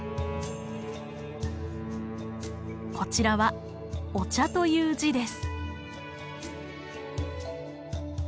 こちらはお茶という字です。